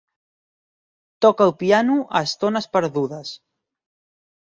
Toca el piano a estones perdudes.